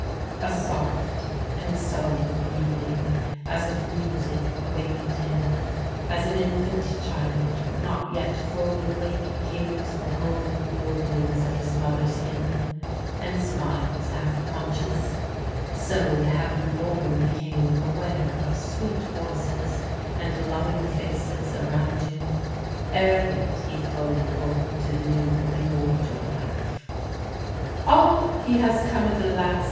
A soft and solemn breathing, as of music, awakened him. As an infant child not yet fully awake hears the holy warblings of his mother's hymn, and smiles half conscious, so the heaven born became aware of sweet voices and loving faces around him ere yet he fully woke to the new immortal LIFE. "Ah, he has come at last.